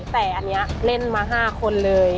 แต่อันนี้เล่นมา๕คนเลย